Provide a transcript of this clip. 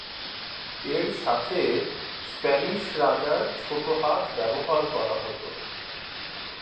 এর সাথে, স্প্যানিশ রাজার ছোট হাত ব্যবহার করা হত।